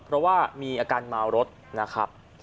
เพราะว่ามีอาการเมารถนะครับ